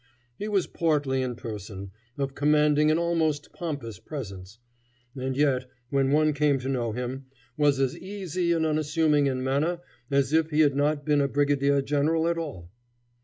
He was portly in person, of commanding and almost pompous presence, and yet, when one came to know him, was as easy and unassuming in manner as if he had not been a brigadier general at all.